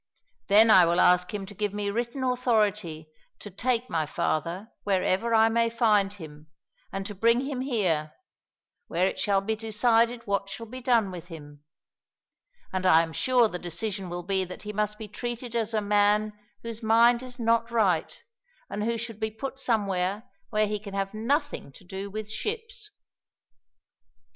Then I will ask him to give me written authority to take my father wherever I may find him, and to bring him here, where it shall be decided what shall be done with him; and I am sure the decision will be that he must be treated as a man whose mind is not right, and who should be put somewhere where he can have nothing to do with ships."